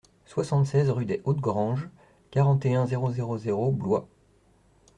soixante-seize rue des Hautes Granges, quarante et un, zéro zéro zéro, Blois